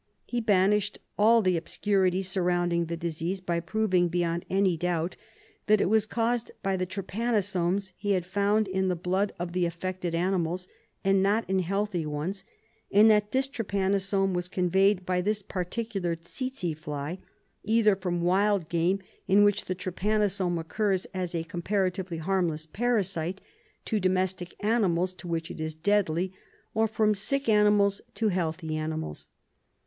He banished all the obscurity surrounding the disease by proving beyond any doubt that it was caused by the trypano somes he had found in the blood of the affected animals, and not in healthy ones, and that this trypanosome was conveyed by this particular tsetse fly, either from wild game, in which the trypanosome occurs as a comparatively harmless parasite, to domestic animals, to which it is deadly, or from sick animals to healthy animals.